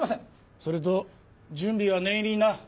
それと準備は念入りにな。